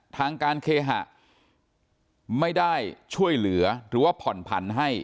ทางการเคหะไม่ได้ช่วยเหลือหรือว่าผ่อนผันให้